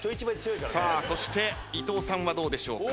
そして伊藤さんはどうでしょうか。